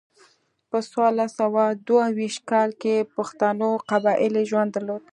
په څوارلس سوه دوه ویشت کال کې پښتنو قبایلي ژوند درلود.